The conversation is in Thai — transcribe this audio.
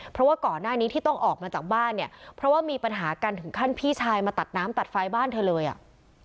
เพราะว่าก่อนหน้านี้ที่ต้องออกมาจากบ้านเนี่ยเพราะว่ามีปัญหากันถึงขั้นพี่ชายมาตัดน้ำตัดไฟบ้านเธอเลยอ่ะ